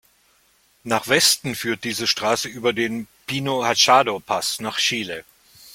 Nach Westen führt diese Straße über den "Pino-Hachado-Pass" nach Chile.